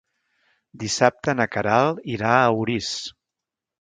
Dissabte na Queralt irà a Orís.